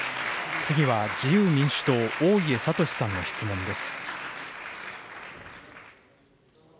次は自由民主党、大家敏志さんの質問です。